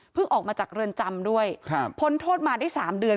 ออกมาจากเรือนจำด้วยครับพ้นโทษมาได้๓เดือน